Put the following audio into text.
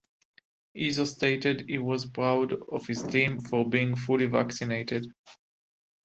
Izzo stated he was proud of his team for being fully vaccinated.